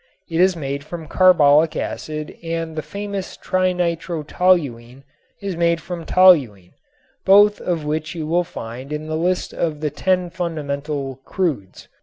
It is made from carbolic acid and the famous trinitrotoluene is made from toluene, both of which you will find in the list of the ten fundamental "crudes."